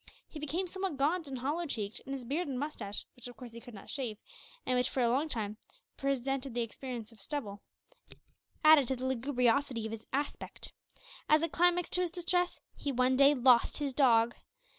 He became somewhat gaunt and hollow cheeked, and his beard and moustache, which of course he could not shave, and which, for a long time, presented the appearance of stubble, added to the lugubriosity of his aspect. As a climax to his distress, he one day lost his dog!